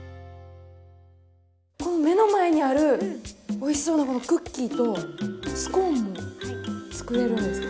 この目の前にあるおいしそうなこのクッキーとスコーンも作れるんですか？